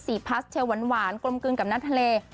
สีพัสเทียวหวานกลมกึนกับน้ำทะเล